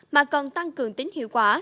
mà còn tăng cường tính hiệu quả